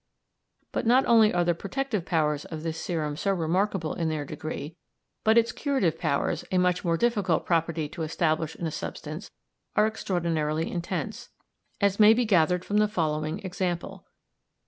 But not only are the protective powers of this serum so remarkable in their degree, but its curative powers, a much more difficult property to establish in a substance, are extraordinarily intense, as may be gathered from the following example.